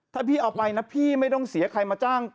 ถ้าพี่เอาไปนะพี่ไม่ต้องเสียใครมาจ้าง